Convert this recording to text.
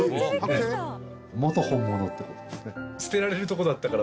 元本物って事ですね。